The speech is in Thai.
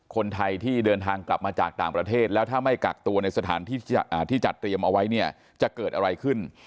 คนไทยที่เดินทางกลับมาจากต่างประเทศแล้วถ้าไม่กักตัวในสถานที่ที่จัดเตรียมเอาไว้เนี่ยจะเกิดอะไรขึ้น